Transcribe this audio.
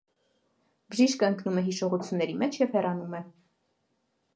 Բժիշկը ընկնում է հիշողությունների մեջ և հեռանում է։